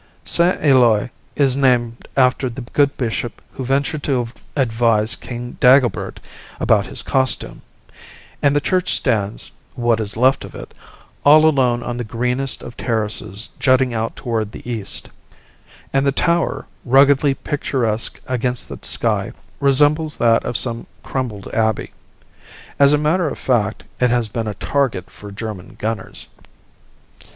Saint Eloi is named after the good bishop who ventured to advise King Dagobert about his costume. And the church stands what is left of it all alone on the greenest of terraces jutting out toward the east; and the tower, ruggedly picturesque against the sky, resembles that of some crumbled abbey. As a matter of fact, it has been a target for German gunners.